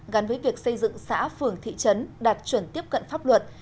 gắn với việc xây dựng xã phường thị trấn đạt chuẩn tiếp cận pháp luật